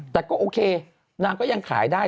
แต่ก็โอเคนางก็ยังขายได้